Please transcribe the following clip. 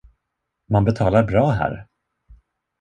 Man betalar bra här.